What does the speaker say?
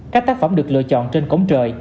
các tác phẩm được lựa chọn trên cổng trời